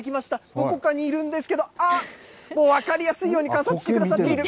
どこかにいるんですけど、あっ、もう分かりやすいように、観察してくださっている。